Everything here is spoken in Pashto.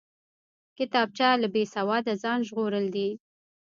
کتابچه له بېسواده ځان ژغورل دي